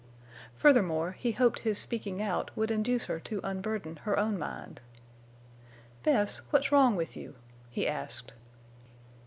Furthermore, he hoped his speaking out would induce her to unburden her own mind. "Bess, what's wrong with you?" he asked.